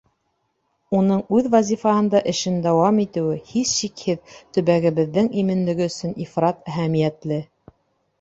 Уның үҙ вазифаһында эшен дауам итеүе, һис шикһеҙ, төбәгебеҙҙең именлеге өсөн ифрат әһәмиәтле.